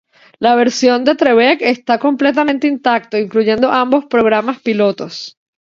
La versión de Trebek está completamente intacto, incluyendo ambos programas pilotos.